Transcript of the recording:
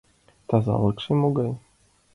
Тазалыкше могай?